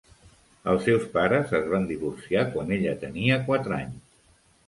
Els seus pares es van divorciar quan ella tenia quatre anys.